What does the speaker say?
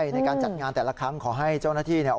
ในการจัดงานแต่ละครั้งขอให้เจ้าหน้าที่เนี่ย